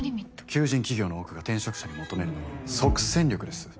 求人企業の多くが転職者に求めるのは即戦力です。